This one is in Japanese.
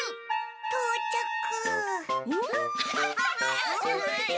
とうちゃく。